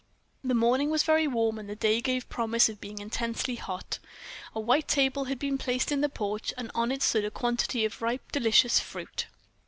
The morning was very warm, and the day gave promise of being intensely hot. A white table had been placed in the porch, and on it stood a quantity of ripe, delicious fruit.